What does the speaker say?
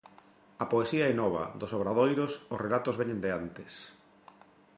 A poesía é nova, dos obradoiros, os relatos veñen de antes.